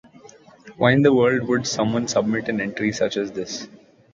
Why in the world would someone submit an entry such as this?